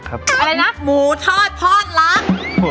อันนี้คือใครตั้ง